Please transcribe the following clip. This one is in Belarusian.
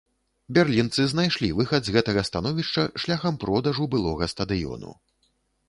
Берлінцы знайшлі выхад з гэтага становішча шляхам продажу былога стадыёну.